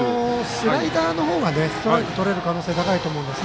スライダーの方がストライクとれる可能性が高いと思うんです。